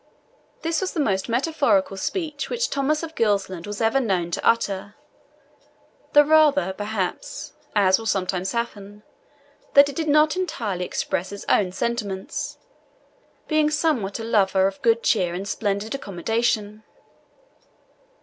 This was the most metaphorical speech which Thomas of Gilsland was ever known to utter, the rather, perhaps (as will sometimes happen), that it did not entirely express his own sentiments, being somewhat a lover of good cheer and splendid accommodation.